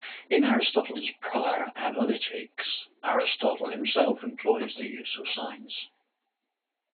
In Aristotle's "Prior Analytics", Aristotle himself employs the use of signs.